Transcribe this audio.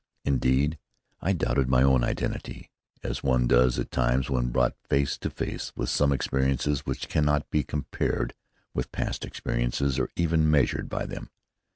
Indeed, I doubted my own identity, as one does at times when brought face to face with some experiences which cannot be compared with past experiences or even measured by them.